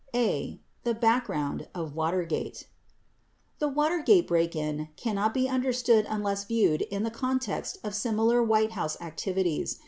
A. The Background or Watergate The Watergate break in cannot be understood unless viewed in the context of similar White House activities.